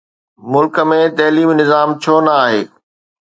ملڪ ۾ تعليمي نظام ڇو نه آهي؟